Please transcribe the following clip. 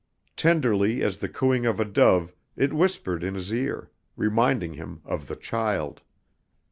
Tenderly as the cooing of a dove it whispered in his ear, reminding him of the child.